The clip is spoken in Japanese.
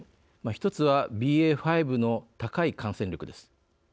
一つはＢＡ．５の高い感染力です。